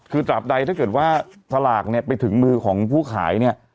คือตราบใดถ้าเกิดว่าสลากเนี่ยไปถึงมือของผู้ขายเนี่ย